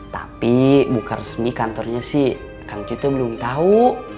tapi bukan resmi kantornya sih kang kita belum tahu